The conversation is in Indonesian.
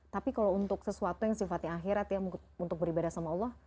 tapi kalau untuk sesuatu yang sifatnya akhirat ya untuk beribadah sama allah